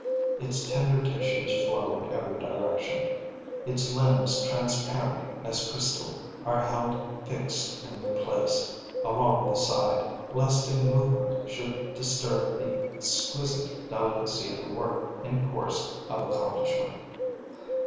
Its tender tissues flow in every direction; its limbs, transparent as crystal, are held fixed in their place, along the side, lest a movement should disturb the exquisite delicacy of the work in course of accomplishment.